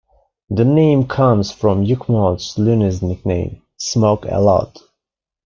The name comes from Yukmouth's Luniz nickname, "Smoke-a-Lot".